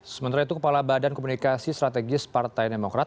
sementara itu kepala badan komunikasi strategis partai demokrat